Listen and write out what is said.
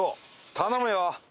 頼むよ。